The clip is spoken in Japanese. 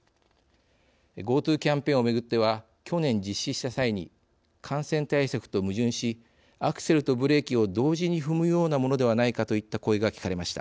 ＧｏＴｏキャンペーンをめぐっては去年実施した際に「感染対策と矛盾しアクセルとブレーキを同時に踏むようなものではないか」といった声が聞かれました。